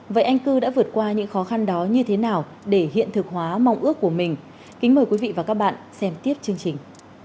vậy anh cư đã vượt qua những khó khăn đó như thế nào để hiện thực hóa mong ước của mình kính mời quý vị và các bạn xem tiếp chương trình